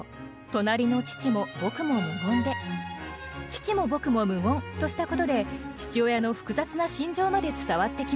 「父も僕も無言」としたことで父親の複雑な心情まで伝わってきます。